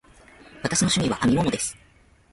私の趣味は編み物です。